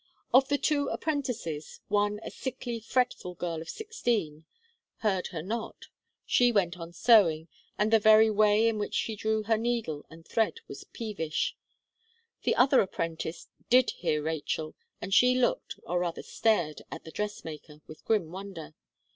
Of the two apprentices one a sickly, fretful girl of sixteen, heard her not; she went on sewing, and the very way in which she drew her needle and thread was peevish. The other apprentice did hear Rachel, and she looked, or rather stared at the dress maker, with grim wonder.